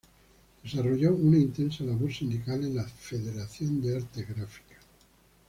Desarrolló una intensa labor sindical en la Federación de Artes Gráficas.